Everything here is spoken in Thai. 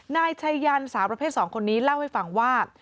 นายชัยยันสาวประเภท๒คนนี้เล่าให้ฟังว่า